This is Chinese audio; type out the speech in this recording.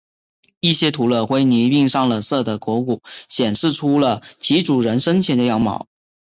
一些涂了灰泥并上了色的头骨显示出了其主人生前的样貌。